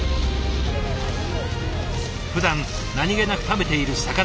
ふだん何気なく食べている魚。